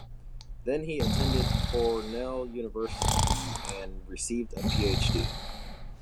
Then he attended Cornell University and received a PhD.